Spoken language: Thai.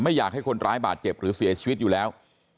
อยากให้คนร้ายบาดเจ็บหรือเสียชีวิตอยู่แล้ว